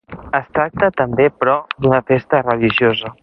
Es tracta també, però, d'una festa religiosa.